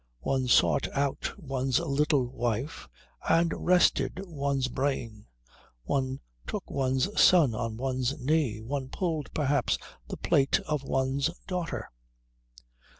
One sought out one's little wife and rested one's brain; one took one's son on one's knee; one pulled, perhaps, the plait of one's daughter.